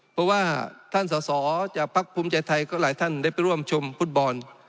เพราะว่าท่านสอสอจากภักดิ์ภูมิใจไทยก็หลายท่านได้ไปร่วมชมฟุตบอล